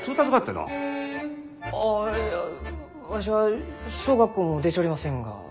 あいやわしは小学校も出ちょりませんが。